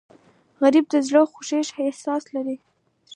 غریب د زړه خوږ احساس لري